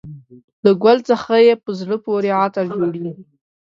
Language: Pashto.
له ګل څخه یې په زړه پورې عطر جوړېږي.